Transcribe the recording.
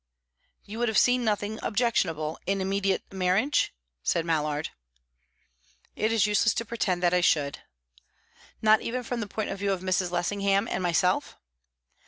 "You would have seen nothing objectionable in immediate marriage?" said Mallard. "It is useless to pretend that I should." "Not even from the point of view of Mrs. Lessingham and myself?"